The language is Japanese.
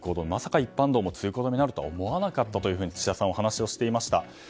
一般道も通行止めになると思わなかったと土屋さんはおっしゃっていました。